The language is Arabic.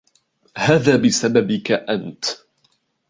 هذا بسببك أنت.